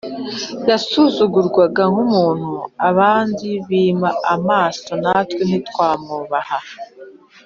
yasuzugurwaga nk’umuntu abandi bima amaso natwe ntitumwubahe’